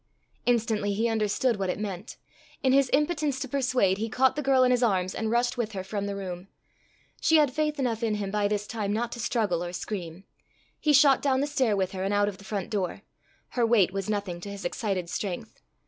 Instantly he understood what it meant. In his impotence to persuade, he caught the girl in his arms, and rushed with her from the room. She had faith enough in him by this time not to struggle or scream. He shot down the stair with her, and out of the front door. Her weight was nothing to his excited strength.